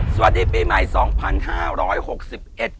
สวัสดีปีใหม่สองพันห้าร้อยหกสิบเอ็ด